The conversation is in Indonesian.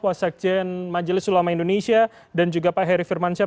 wasekjen majelis ulama indonesia dan juga pak heri firmansyah